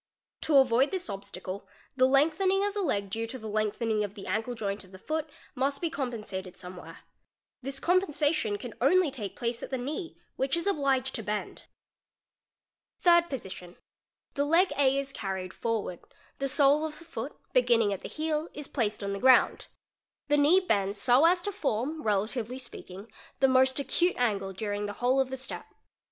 To avoid this obstacle, © the lengthening of the leg due to the lengthening of the ankle joint of the foot must be compensated somewhere. This compensation can only take place at the knee, which is obliged to bend. | Third Position—The leg A is carried forward, the sole of the foot beginning at the heel, is placed on the ground. The knee bends so a to form, relatively speaking, the most acute angle during the whole « thestep.